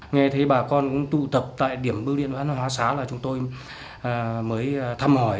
nghe thấy bà con cũng tụ tập tại điểm bưu điện văn hóa xá là chúng tôi mới thăm hỏi